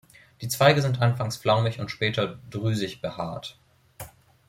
Die Zweige sind anfangs flaumig und später drüsig behaart.